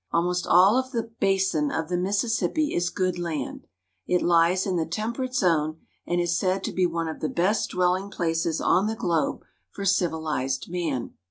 Almost all of the basin of the Mississippi is good land. It Hes in the tem perate zone, and is said to be one of the best dwelling places on the globe for civilized man.